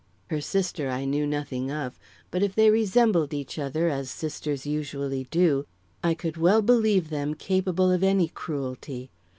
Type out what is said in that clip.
Her sister I knew nothing of, but if they resembled each other as sisters usually do, I could well believe them capable of any cruelty.